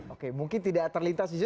oke mungkin tidak terlintas jujur